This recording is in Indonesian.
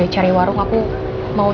cari warung aku mau